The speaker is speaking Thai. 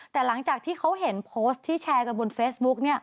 แต่หลังจากที่เขาเห็นโพสต์ที่แชร์กันบนเฟซบุ๊ก